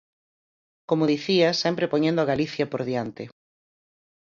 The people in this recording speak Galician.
Como dicía, sempre poñendo a Galicia por diante.